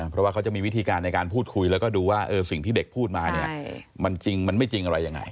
เพราะว่าเขาจะมีวิธีการในการพูดคุยแล้วก็ดูว่าสิ่งที่เด็กพูดมาเนี่ยมันจริงมันไม่จริงอะไรยังไง